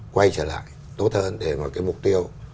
quay trở lại tốt hơn để mà cái mục tiêu